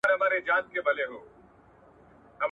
ماما مه گوره، پوستين ئې گوره.